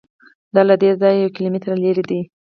دا له دې ځایه یو کیلومتر لرې دی.